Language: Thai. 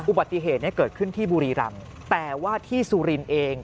อุบัติเหตุเนี่ยเกิดขึ้นที่บุรีรำแต่ว่าที่สุรินทร์เอง